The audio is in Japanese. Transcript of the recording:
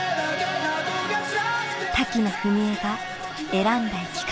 滝野文恵が選んだ生き方